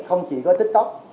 không chỉ có tiktok